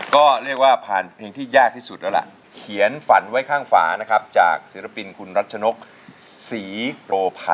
ก็เรียกว่าพูดที่หยากที่สุดแล้วแหละ